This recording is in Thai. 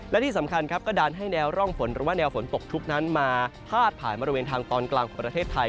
และที่สำคัญครับก็ดันให้แนวร่องฝนหรือว่าแนวฝนตกชุกนั้นมาพาดผ่านบริเวณทางตอนกลางของประเทศไทย